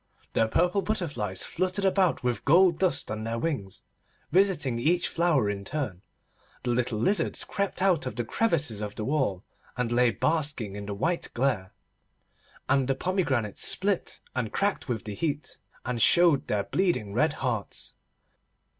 The purple butterflies fluttered about with gold dust on their wings, visiting each flower in turn; the little lizards crept out of the crevices of the wall, and lay basking in the white glare; and the pomegranates split and cracked with the heat, and showed their bleeding red hearts.